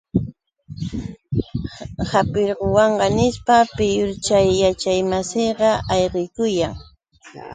¡Hapiruwanqa!, nishpa, piyur chay yachaqmasinqa ayqikuyan.